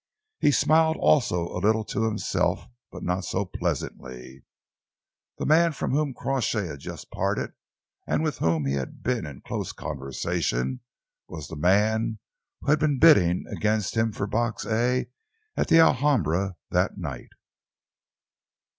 He smiled also a little to himself, but not so pleasantly. The man from whom Crawshay had just parted, and with whom he had been in close conversation, was the man who had been bidding against him for Box A at the Alhambra that night.